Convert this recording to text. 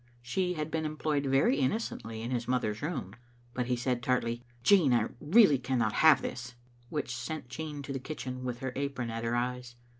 She had been employed very innocently in his mother's room, but he said tartly — "Jean, I really cannot have this," which sent Jean to the kitchen with her apron at her eyes.